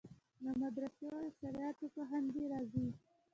له مدرسو او شرعیاتو پوهنځیو راځي.